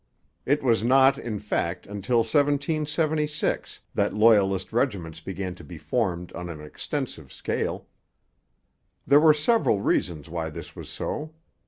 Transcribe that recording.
It was not, in fact, until 1776 that Loyalist regiments began to be formed on an extensive scale. There were several reasons why this was so.